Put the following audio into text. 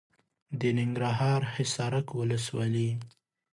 د ننګرهار حصارک ولسوالي .